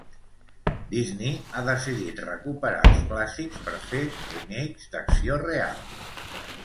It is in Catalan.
Disney ha decidit recuperar els clàssics per fer remakes d'acció real.